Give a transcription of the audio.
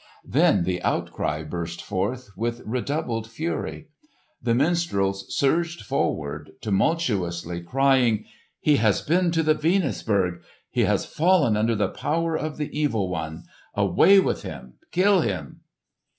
Then the outcry burst forth with redoubled fury. The minstrels surged forward tumultuously crying, "He has been to the Venusberg! He has fallen under the power of the evil one! Away with him! Kill him!"